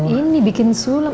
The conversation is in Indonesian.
ini bikin sulam